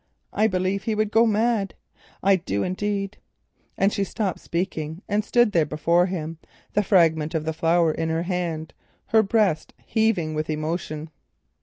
I believe he would go mad, I do indeed," and she stopped speaking and stood before him, the fragment of the flower in her hand, her breast heaving with emotion.